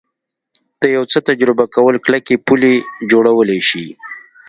د یو څه تجربه کول کلکې پولې جوړولی شي